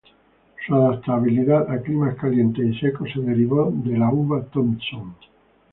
Su adaptabilidad a climas calientes y secos se derivó de la uva Thompson.